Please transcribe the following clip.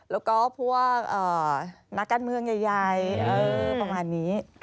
แล้วก็พวกนักการเมืองใหญ่ประมาณนี้